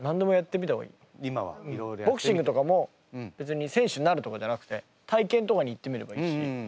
ボクシングとかも別に選手になるとかじゃなくて体験とかに行ってみればいいし。